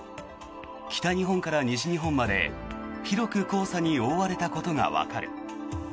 北日本から西日本まで広く黄砂に覆われたことがわかる。